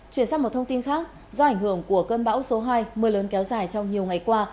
chuyển sang một thông tin khác do ảnh hưởng của cơn bão số hai mưa lớn kéo dài trong nhiều ngày qua